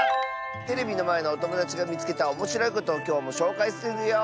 テレビのまえのおともだちがみつけたおもしろいことをきょうもしょうかいするよ！